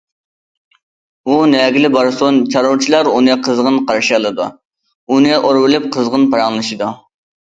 ئۇ نەگىلا بارسۇن، چارۋىچىلار ئۇنى قىزغىن قارشى ئالىدۇ، ئۇنى ئورىۋېلىپ قىزغىن پاراڭلىشىدۇ.